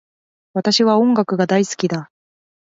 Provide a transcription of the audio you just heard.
私は音楽が大好きだ